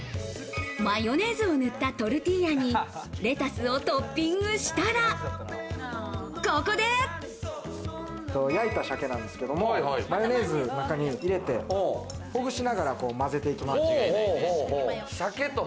マヨネーズを塗ったトルティーヤに、レタスをトッピングしたら、ここで。焼いた鮭なんですけども、マヨネーズの中に入れて、ほぐしながら混ぜていきます。